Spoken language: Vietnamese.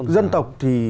dân tộc thì